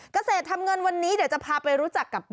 เกษตรทำเงินวันนี้เดี๋ยวจะพาไปรู้จักกับ